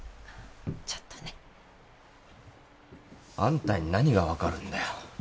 ちょっとねあんたに何が分かるんだよ